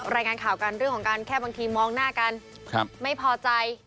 รายงานข่าวกันเรื่องของการแค่บางทีมองหน้ากันไม่พอใจ